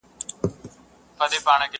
جهانی به له بهاره د سیلیو لښکر یوسي!!